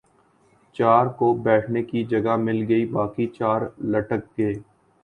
چار کو بیٹھنے کی جگہ مل گئی باقی چار لٹک گئے ۔